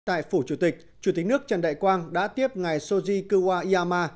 tại phủ chủ tịch chủ tịch nước trần đại quang đã tiếp ngài soji kuwa yama